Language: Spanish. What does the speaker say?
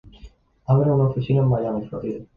Abre una oficina en Miami, Florida.